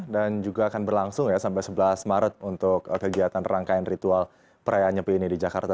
dan juga akan berlangsung sampai sebelas maret untuk kegiatan rangkaian ritual perayaan nyepi ini di jakarta